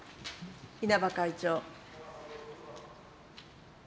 稲葉会長。